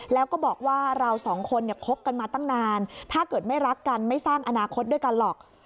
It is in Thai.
แล้วก็บอกว่าเราสองคนเนี่ยคบกันมาตั้งนานถ้าเกิดไม่รักกันไม่สร้างอนาคตด้วยกันหรอก